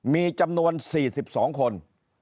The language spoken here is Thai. มีจำนวน๔๒คน